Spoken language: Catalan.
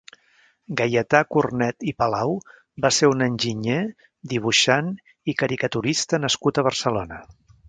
Gaietà Cornet i Palau va ser un enginyer, dibuixant i caricaturista nascut a Barcelona.